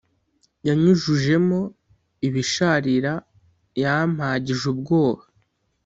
Yanyujujemo ibisharira yampagije ubwoba